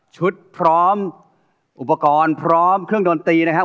พร้อมอุปกรณ์พร้อมเครื่องดนตรีนะครับ